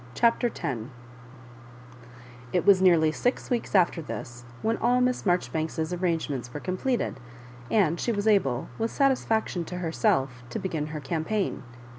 CHAPTER X It was nearly six weeks after this when all Miss Maijoribanks's arrangements were completed, and she was able, with satis&ction to herself, to be gin her campaign.